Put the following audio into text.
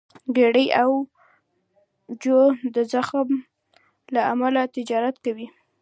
ګېري او جو د زغم له امله تجارت کوي.